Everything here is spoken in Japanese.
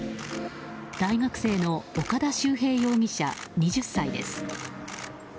大学生の岡田秀平容疑者２０歳です。